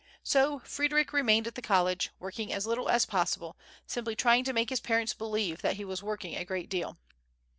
So Frederic remained at the col lege, working as little as possible, simply trying to make his parents believe that he was working a great deal.